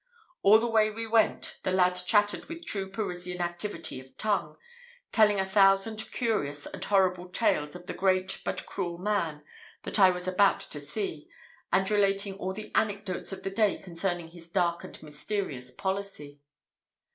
All the way we went the lad chattered with true Parisian activity of tongue; telling a thousand curious and horrible tales of the great, but cruel man, that I was about to see, and relating all the anecdotes of the day concerning his dark and mysterious policy.